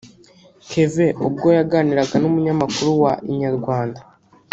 Kevin ubwo yaganiraga n’umunyamakuru wa Inyarwanda